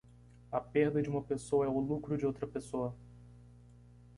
A perda de uma pessoa é o lucro de outra pessoa.